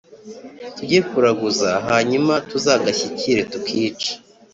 tujye kuraguza, hanyuma tuzagashyikire tukice."